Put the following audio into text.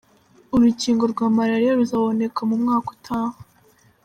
Urukingo rwa malariya ruzaboneka mu mwaka Utaha